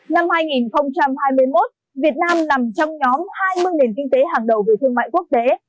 năm hai nghìn hai mươi một việt nam nằm trong nhóm hai mươi nền kinh tế hàng đầu về thương mại quốc tế